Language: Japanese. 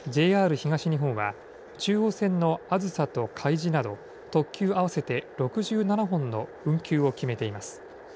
ＪＲ東日本は中央線のあずさとかいじなど特急合わせて６７本の運休を決めています。